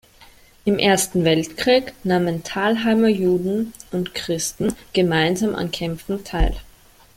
Im Ersten Weltkrieg nahmen Talheimer Juden und Christen gemeinsam an Kämpfen teil.